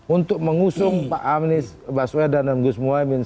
untuk mengusung pak amnis baswedan dan gus muhaimin